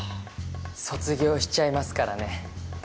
卒業しちゃいますからね。